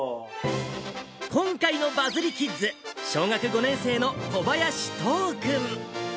今回のバズりキッズ、小学５年生の小林都央君。